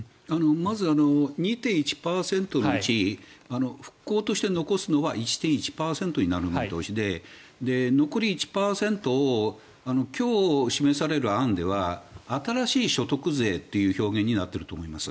まず２．１％のうち復興として残すのは１．１％になる見通しで残り１％を今日示される案では新しい所得税という表現になっていると思います。